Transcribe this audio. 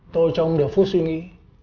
tôi trong được phút suy nghĩ